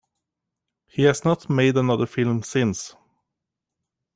He has not made another film since.